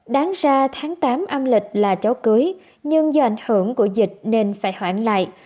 đáng ra tháng tám âm lịch là cháu cưới nhưng do ảnh hưởng của dịch nên phải hoãn lại